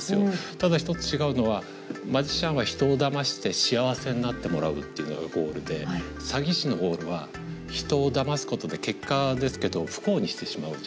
ただ一つ違うのはマジシャンは人をだまして幸せになってもらうっていうのがゴールで詐欺師のゴールは人をだますことで結果ですけど不幸にしてしまうじゃないですか。